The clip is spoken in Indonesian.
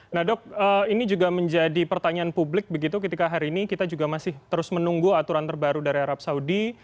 nah dok ini juga menjadi pertanyaan publik begitu ketika hari ini kita juga masih terus menunggu aturan terbaru dari arab saudi